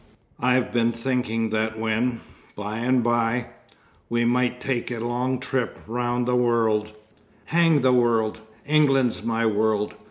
I've been thinking that when by and by we might take a long trip round the world " "Hang the world! England's my world.